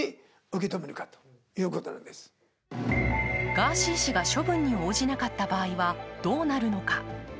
ガーシー氏が処分に応じなかった場合は、どうなるのか。